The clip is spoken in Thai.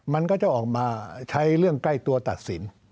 มันก็จะออกมาใช้เรื่องใกล้ตัวตัดสิน